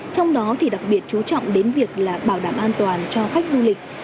trong đó thì đặc biệt chú trọng đến việc là bảo đảm an toàn cho khách du lịch